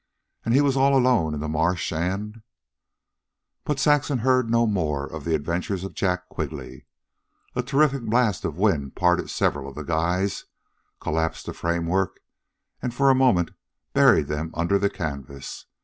An' he was all alone in the marsh, an' " But Saxon heard no more of the adventures of Jack Quigley. A terrific blast of wind parted several of the guys, collapsed the framework, and for a moment buried them under the canvas.